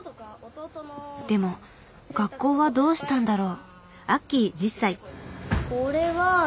でも学校はどうしたんだろう？